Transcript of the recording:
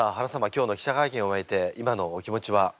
今日の記者会見を終えて今のお気持ちは？